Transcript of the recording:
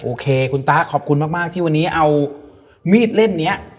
โอเคคุณตะขอบคุณมากที่วันนี้เอามีดเล่มนี้